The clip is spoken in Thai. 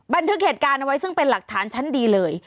บันทึกเหตุการณ์เอาไว้ซึ่งเป็นหลักฐานชั้นดีเลย